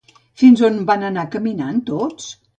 Fins on van anar caminant tots?